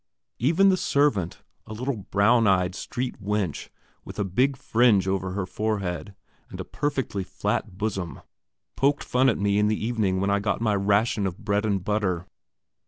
Even the servant, a little, brown eyed, street wench, with a big fringe over her forehead, and a perfectly flat bosom, poked fun at me in the evening when I got my ration of bread and butter.